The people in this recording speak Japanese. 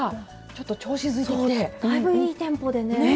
そうだいぶいいテンポでね。